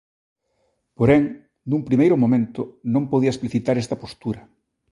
Porén, nun primeiro momento, non podía explicitar esta postura.